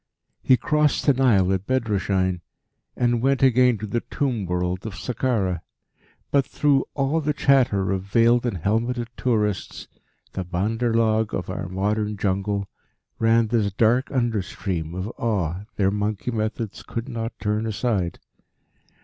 He crossed the Nile at Bedrashein, and went again to the Tomb World of Sakkara; but through all the chatter of veiled and helmeted tourists, the bandar log of our modern Jungle, ran this dark under stream of awe their monkey methods could not turn aside.